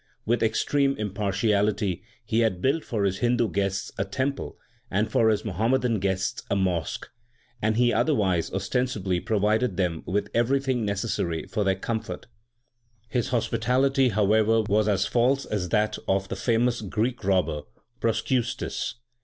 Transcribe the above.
With extreme impartiality he had built for his Hindu guests a temple, and for his Muhammadan guests a mosque ; and he otherwise ostensibly provided them with everything necessary for their comfort. His hospitality, however, was as false as that of the famous Greek robber, Procrustes.